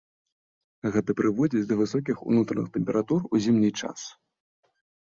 Гэта прыводзіць да высокіх унутраных тэмператур у зімні час.